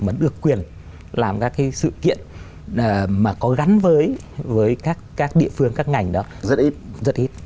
mà được quyền làm các cái sự kiện mà có gắn với các địa phương các ngành đó rất ít rất ít